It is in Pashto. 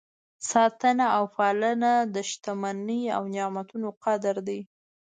ساتنه او پالنه د شتمنۍ او نعمتونو قدر دی.